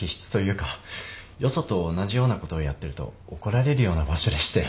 よそと同じようなことをやってると怒られるような場所でして。